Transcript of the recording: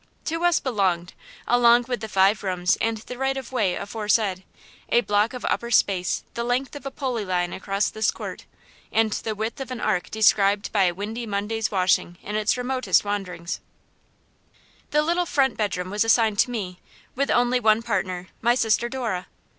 To us belonged, along with the five rooms and the right of way aforesaid, a block of upper space the length of a pulley line across this court, and the width of an arc described by a windy Monday's wash in its remotest wanderings. [Illustration: HARRISON AVENUE IS THE HEART OF THE SOUTH END GHETTO] The little front bedroom was assigned to me, with only one partner, my sister Dora.